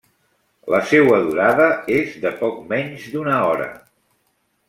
La seua durada és de poc menys d'una hora.